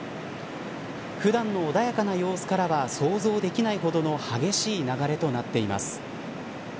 普段の穏やかな様子からは想像できないほどの激しい流れとなっています。